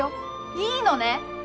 いいのね？